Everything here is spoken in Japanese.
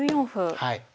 はい。